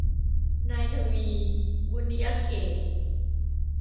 นายทวี บุณยเกตุ